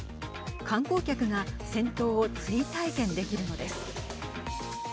観光客が戦闘を追体験できるのです。